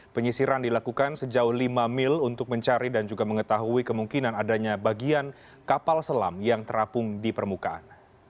penyisiran dilakukan sejauh lima mil untuk mencari dan juga mengetahui kemungkinan adanya bagian kapal selam yang terapung di permukaan